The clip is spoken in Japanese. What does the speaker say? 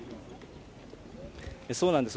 そうなんです。